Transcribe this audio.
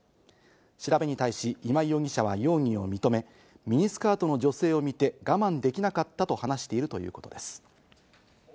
調べに対し今井容疑者は容疑を認め、ミニスカートの女性を見て我慢できなかったと話しているということです。